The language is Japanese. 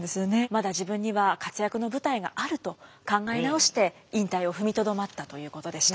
まだ自分には活躍の舞台があると考え直して引退を踏みとどまったということでした。